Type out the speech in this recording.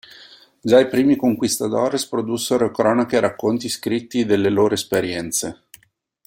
Già i primi "conquistadores" produssero cronache e racconti scritti delle loro esperienze.